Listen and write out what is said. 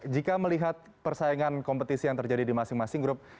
jika melihat persaingan kompetisi yang terjadi di masing masing grup